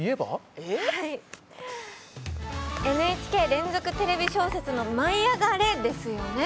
ＮＨＫ連続テレビ小説の「舞いあがれ！」ですよね！